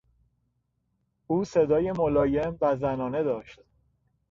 او صدایی ملایم و زنانه داشت.